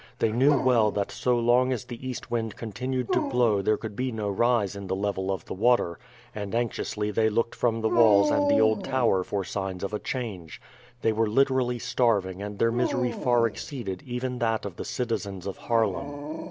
They knew well that so long as the east wind continued to blow there could be no rise in the level of the water, and anxiously they looked from the walls and the old tower for signs of a change. They were literally starving, and their misery far exceeded even that of the citizens of Haarlem.